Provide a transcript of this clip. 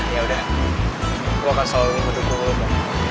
yaudah gue akan selalu mendukung lo pak